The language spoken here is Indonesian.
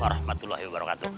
wa rahmatullahi wabarakatuh